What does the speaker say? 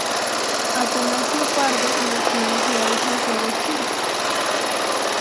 Atanasio Pardo nació en la ciudad de Santiago, Chile.